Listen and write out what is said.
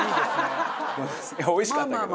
おいしかったけど。